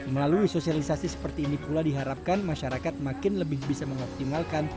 melalui sosialisasi seperti ini pula diharapkan masyarakat makin lebih bisa mengoptimalkan